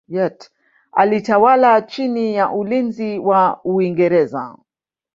Alitawala chini ya ulinzi wa Uingereza.